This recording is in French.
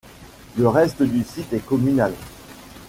Le reste du site est communal.